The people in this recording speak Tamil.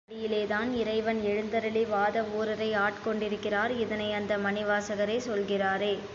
இந்த மரத்தடியிலேதான் இறைவன் எழுந்தருளி வாதவூரரை ஆட்கொண்டிருக்கிறார் இதனை அந்த மணிவாசகரே சொல்கிறாரே.